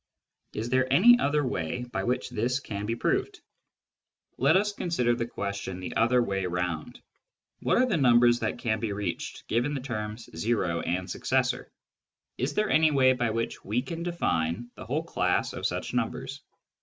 Is there any other way by which this can be proved ? Let us consider the question the other way round. What are the numbers that can be reached, given the terms " o " and Finitude and Mathematical Induction 21 " successor "? Is there any way by which we can define the whole class of such numbers